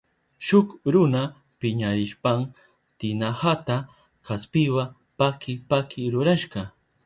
Shuk runa piñarishpan tinahata kaspiwa paki paki rurashka.